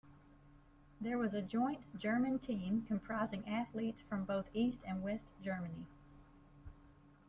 There was a joint German team comprising athletes from both East and West Germany.